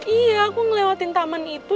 iya aku ngelewatin taman itu